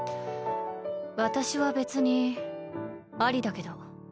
私は別にありだけど。